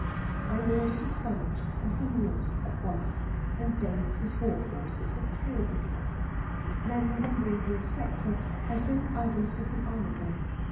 I ordered a sponge and some water at once, and bathed his fore paws, which were terribly cut; then remembering the Inspector, I sent Idols for some arnica.